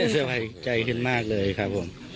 สบายใจขึ้นมากเลยครับผม